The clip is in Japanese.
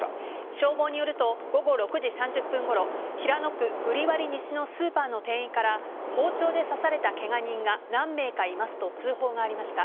消防によると午後６時３０分ごろ平野区瓜破西のスーパーの店員から包丁で刺されたケガ人が何名かいますと通報がありました。